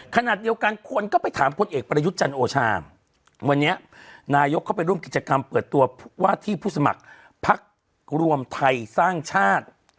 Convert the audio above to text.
ขณะเดียวกันคนก็ไปถามพลเอกประยุทธ์จันทร์โอชาวันนี้นายกเข้าไปร่วมกิจกรรมเปิดตัวว่าที่ผู้สมัครพักรวมไทยสร้างชาติ